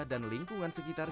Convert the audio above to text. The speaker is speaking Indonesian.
dan lingkungan sekitar